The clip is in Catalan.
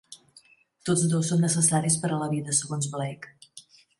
Tots dos són necessaris per a la vida segons Blake.